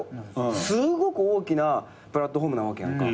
すごく大きなプラットホームなわけやんか。